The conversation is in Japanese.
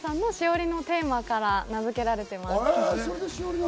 『栞のテーマ』から名付けられています。